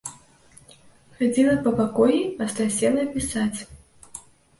Хадзіла па пакоі, пасля села пісаць.